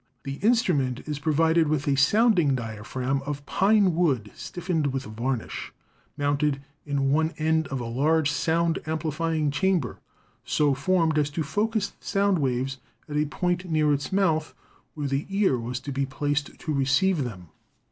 The instru ment is provided with a sounding diaphragm of pine wood stiffened with varnish, mounted in one end of a large sound amplifying chamber, so formed as to focus the sound waves at a point near its mouth, where the ear was to be placed to receive them.